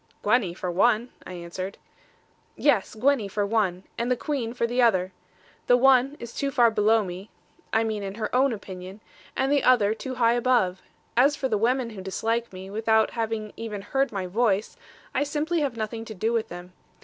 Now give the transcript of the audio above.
'Gwenny, for one,' I answered. 'Yes, Gwenny, for one. And the queen, for the other. The one is too far below me (I mean, in her own opinion), and the other too high above. As for the women who dislike me, without having even heard my voice, I simply have nothing to do with them.